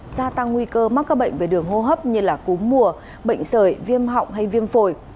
gia tăng nguy cơ mắc các bệnh về đường hô hấp như cúm mùa bệnh sởi viêm họng hay viêm phổi